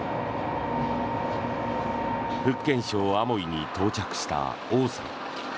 福建省アモイに到着したオウさん。